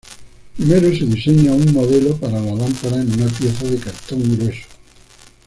Primero se diseña un modelo para la lámpara en una pieza de cartón grueso.